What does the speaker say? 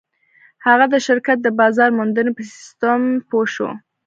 هغه د شرکت د بازار موندنې په سيسټم پوه شو.